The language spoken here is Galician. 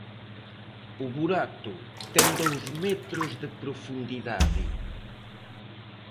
O burato ten dous metros de profundidade.